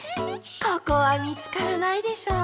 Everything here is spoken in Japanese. ここはみつからないでしょう。